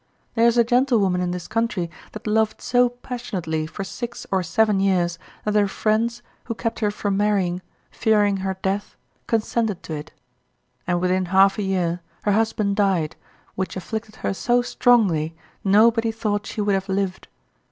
There is a gentlewoman in this country that loved so passionately for six or seven years that her friends, who kept her from marrying, fearing her death, consented to it; and within half a year her husband died, which afflicted her so strongly nobody thought she would have lived.